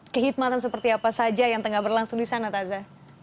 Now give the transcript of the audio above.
kehidmatan seperti apa saja yang tengah berlangsung di sana taza